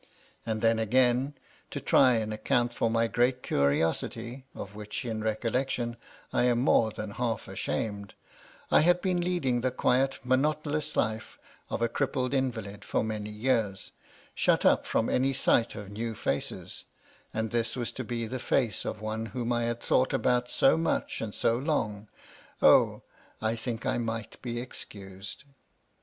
And then again (to try and account for my great curiosity, of which in recollection I am more than half ashamed), I had been leading the quiet monotonous life of a crippled invalid for many years, — shut up jfrom any sight of new faces ; and this was to be the face of one whom I had thought about so much and so long, — Oh ! I think I might be excused.